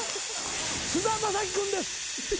菅田将暉君です。